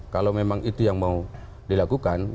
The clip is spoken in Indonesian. kalau memang itu yang mau dilakukan